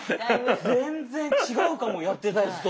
全然違うかもやってたやつと。